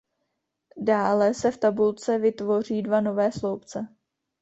Dále se v tabulce vytvoří dva nové sloupce.